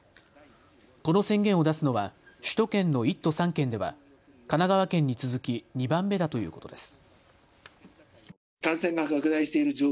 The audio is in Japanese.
この宣言を出すのは首都圏の１都３県では神奈川県に続き２番目だということです。